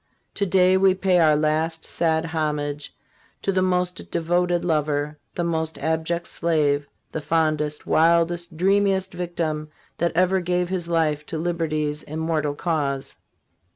To day we pay our last sad homage to the most devoted lover, the most abject slave, the fondest, wildest, dreamiest victim that ever gave his life to liberty's immortal cause.